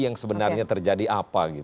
yang sebenarnya terjadi apa